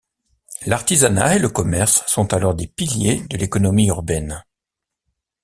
L’artisanat et le commerce sont alors des piliers de l’économie urbaine.